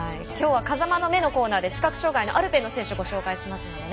きょうは「風間の目」のコーナーで視覚障がいアルペンの選手をご紹介します。